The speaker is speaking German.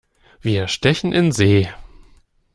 Wir stechen in See!